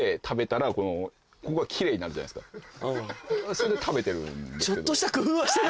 それで食べてるんで。